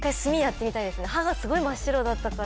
歯すごい真っ白だったから。